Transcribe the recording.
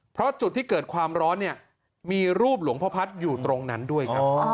๔๑๖ประจุดที่เกิดความร้อนเนี่ยมีรูปหลงพ่อพัสอยู่ตรงนั้นด้วย